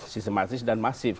sistematis dan masif